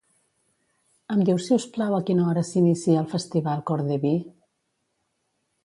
Em dius, si us plau, a quina hora s'inicia el Festival Corde Vi?